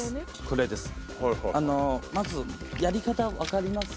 まずやり方分かりますか？